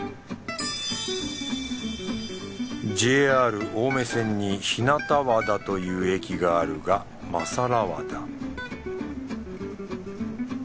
ＪＲ 青梅線に日向和田という駅があるがマサラワダ